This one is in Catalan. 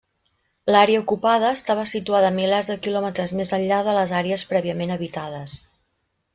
L'àrea ocupada estava situada milers de quilòmetres més enllà de les àrees prèviament habitades.